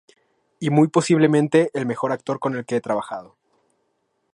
Y muy posiblemente el mejor actor con el que he trabajado".